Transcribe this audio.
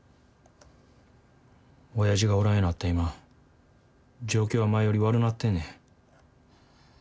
おやじがおらんようなった今状況は前より悪なってんねん。